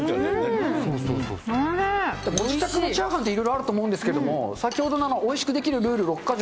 ご自宅のチャーハンっていろいろあると思うんですけれども、先ほどのおいしくできるルール６か条。